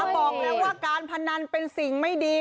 บอกเลยว่าการพนันเป็นสิ่งไม่ดี